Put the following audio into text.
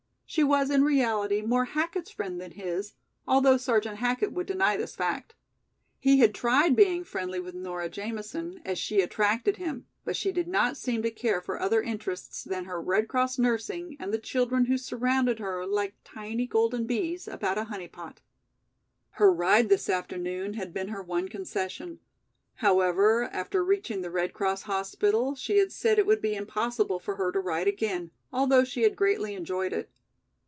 She was in reality more Hackett's friend than his, although Sergeant Hackett would deny this fact. He had tried being friendly with Nora Jamison as she attracted him, but she did not seem to care for other interests than her Red Cross nursing and the children who surrounded her like tiny golden bees about a honey pot. Her ride this afternoon had been her one concession; however, after reaching the Red Cross hospital, she had said it would be impossible for her to ride again, although she had greatly enjoyed it.